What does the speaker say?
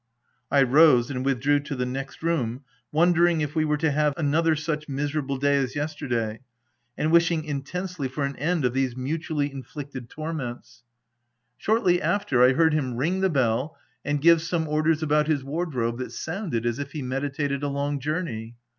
I rose, and withdrew to the next room, won dering if we were to have another such miser able day as yesterday, and wishing intensely for an end of these mutually inflicted torments. OP WILDFELL HALL. 93 Shortly after, I heard him ring the bell and give some orders about his wardrobe that sounded as if he meditated a long journey.